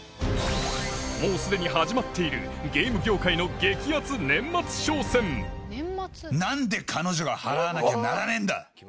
もうすでに始まっているゲーム業界の何で彼女が払わなきゃならねえんだ！